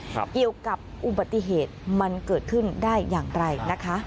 เกี่ยวกับอุบัติเหตุมันเกิดขึ้นได้อย่างไรนะคะ